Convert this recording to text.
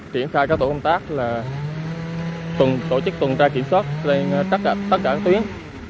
triển khai các tổ công tác là tổ chức tuần tra kiểm soát lên tất cả các tuyến